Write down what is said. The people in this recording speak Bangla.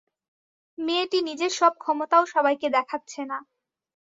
মেয়েটি নিজের সব ক্ষমতাও সবাইকে দেখাচ্ছে না।